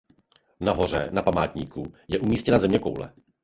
Nahoře na památníku je umístěna zeměkoule.